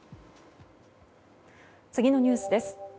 次のニュースです。